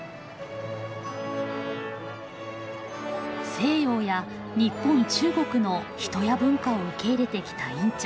西洋や日本中国の人や文化を受け入れてきたインチョン。